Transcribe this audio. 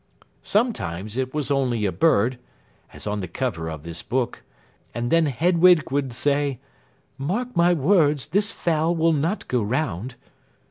Sometimes it was only a bird (as on the cover of this book), and then Hedwig would say, "Mark my words, this fowl will not go round."